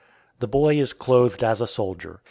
The boy is clothed as a soldier.